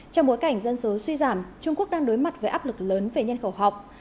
trong bối cảnh dân số suy giảm trung quốc đang đối mặt với áp lực lớn về nhân khẩu học